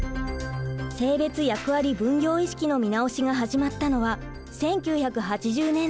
性別役割分業意識の見直しが始まったのは１９８０年代。